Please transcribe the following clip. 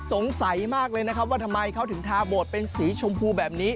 สงสัยมากเลยนะครับว่าทำไมเขาถึงทาโบสถเป็นสีชมพูแบบนี้